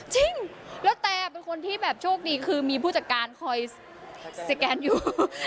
จริงแล้วแต่เป็นคนที่แบบโชคดีคือมีผู้จัดการคอยสแกนอยู่